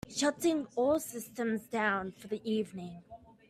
Shutting all systems down for the evening.